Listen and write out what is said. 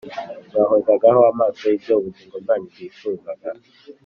Mwahozagaho Amaso Ibyo Ubugingo Bwanyu bwifuzaga